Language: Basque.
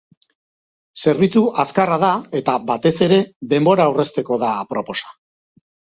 Zerbitzu azkarra da eta, batez ere, denbora aurrezteko da aproposa.